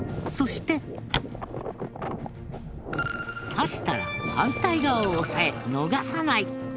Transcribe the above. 刺したら反対側を押さえ逃さない。